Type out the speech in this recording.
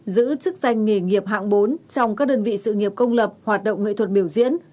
giữ chức danh nghề nghiệp hạng bốn trong các đơn vị sự nghiệp công lập hoạt động nghệ thuật biểu diễn